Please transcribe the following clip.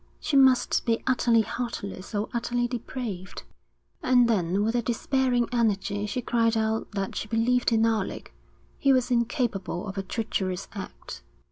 She must be utterly heartless or utterly depraved. And then with a despairing energy she cried out that she believed in Alec; he was incapable of a treacherous act.